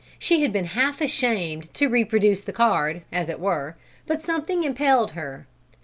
She had been half ashamed to reproduce the card, as it were, but something impelled her.